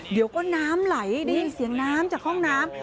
เดี๋ยวก็น้ำไหลได้ยินเสียงน้ำจากห้องน้ำ